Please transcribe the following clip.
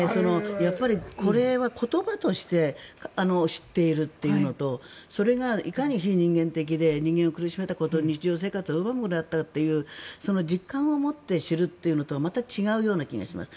やっぱりこれは言葉として知っているっていうのとそれがいかに非人間的で人間を苦しめたこと日常生活を奪うものだったかというその実感をもって知るっていうのとはまた違うような気がします。